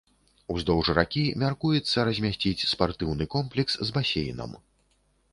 Уздоўж ракі мяркуецца размясціць спартыўны комплекс з басейнам.